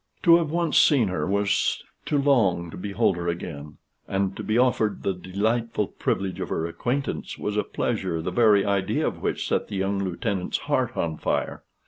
To have once seen her was to long to behold her again; and to be offered the delightful privilege of her acquaintance, was a pleasure the very idea of which set the young lieutenant's heart on fire.